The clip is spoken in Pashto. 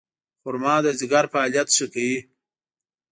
خرما د ځیګر فعالیت ښه کوي.